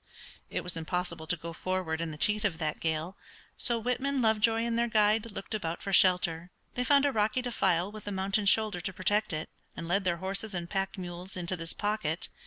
It was impossible to go forward in the teeth of that gale, so Whitman, Lovejoy, and their guide looked about for shelter. They found a rocky defile with a mountain shoulder to protect it, and led their horses and pack mules into this pocket.